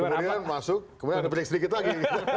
kemudian masuk kemudian ada break sedikit lagi